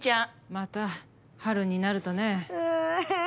また春になるとね。